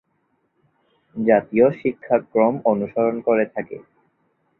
জাতীয় শিক্ষাক্রম অনুসরণ করে থাকে।